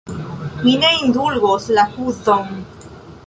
Mi ne indulgos la kuzon!